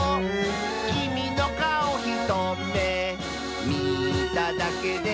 「きみのかおひとめみただけで」